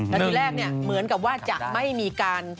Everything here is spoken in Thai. แล้วทีแรกเหมือนกับว่าจะไม่มีการ